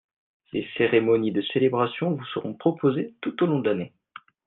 des cérémonies de célébration vous seront proposées tout au long de l'année.